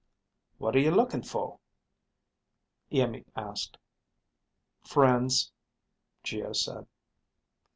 "What are you looking for?" Iimmi asked. "Friends," Geo said.